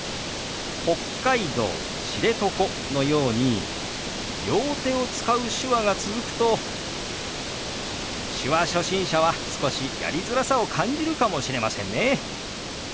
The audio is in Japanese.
「北海道知床」のように両手を使う手話が続くと手話初心者は少しやりづらさを感じるかもしれませんね。